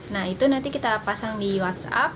nah itu nanti kita pasang di whatsapp